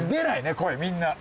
声みんな。